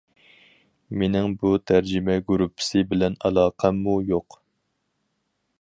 مېنىڭ بۇ تەرجىمە گۇرۇپپىسى بىلەن ئالاقەممۇ يوق.